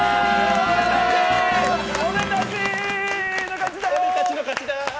俺たちの勝ちだ！